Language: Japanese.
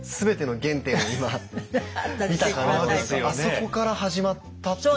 僕らあそこから始まったっていう。